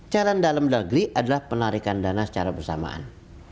challenge dalam negeri adalah penarikan dana secara bersamaan